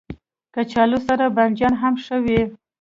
کچالو سره بانجان هم ښه وي